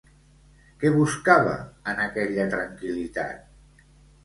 Què buscava en aquella tranquil·litat?